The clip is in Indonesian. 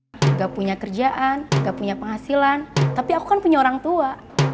tidak punya kerjaan nggak punya penghasilan tapi aku kan punya orang tua